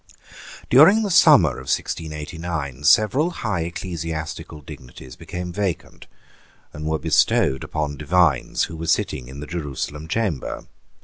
During the summer of 1689 several high ecclesiastical dignities became vacant, and were bestowed on divines who were sitting in the Jerusalem Chamber.